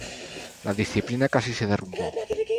La disciplina casi se derrumbó.